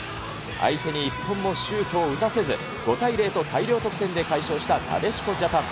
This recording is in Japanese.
相手に一本もシュートを打たせず、５対０と大量得点で快勝したなでしこジャパン。